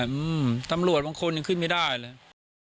อืมตำรวจบางคนยังขึ้นไม่ได้เลย